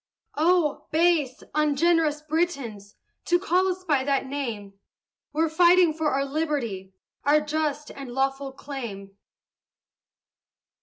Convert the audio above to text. Oh, base, ungenerous Britons! To call us by that name; We're fighting for our liberty, Our just and lawful claim.